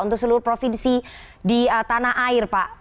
untuk seluruh provinsi di tanah air pak